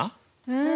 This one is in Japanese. うん！